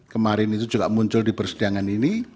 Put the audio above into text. kemarin itu juga muncul di persidangan ini